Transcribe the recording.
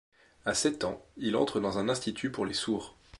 À sept ans, il entre dans un institut pour les sourds.